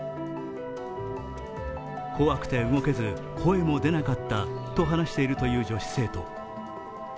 怖くて動けず、声も出なかったと話している女子生徒。